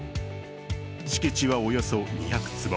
敷地はおよそ２００坪。